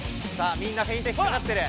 みんなフェイント引っかかってる。